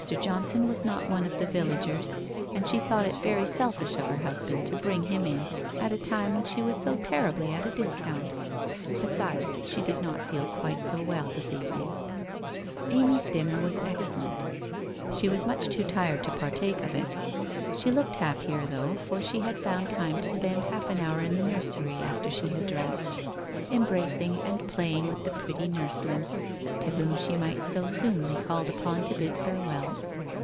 Johnson was not one of the ' vil r<,' and lie thought it very selfish of her husband to bring him in at a time when she wa BO terribly at a dis count. Besides, he did not feel quite BO well this evening! Amy's dinner «, i excellent, he was much too tired 10 146 WHITE ROSE OF WEARY LEAF to partake of it. She looked happier, though, for she had found time to spend half an hour in the nursery after she had dressed, embracing and playing with the pretty nurs ling, to whom she might so soon be called upon to bid farewell.